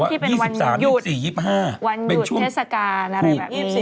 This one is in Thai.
วันหยุดเทศกาลอะไรแบบนี้ไง